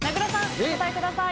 お答えください。